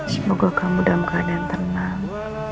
semoga kamu dalam keadaan tenang